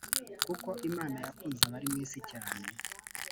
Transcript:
kuko imana yakunze abari mu isi cyane